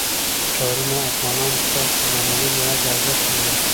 ښارونه افغانانو ته په معنوي لحاظ ارزښت لري.